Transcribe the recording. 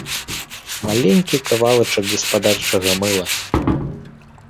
Маленькі кавалачак гаспадарчага мыла.